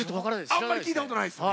あんまり聞いたことないですよね。